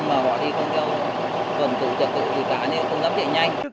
mà họ đi không theo phần tự trật tự thì cả nên không dám chạy nhanh